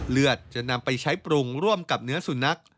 จะนำไปใช้ปรุงร่วมกับเนื้อสุนัข